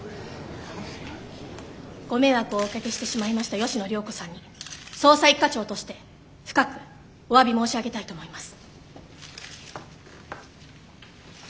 ご迷惑をおかけしてしまいました吉野涼子さんに捜査一課長として深くおわび申し上げたいと思います。